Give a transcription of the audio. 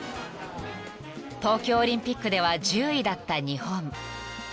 ［東京オリンピックでは１０位だった日本］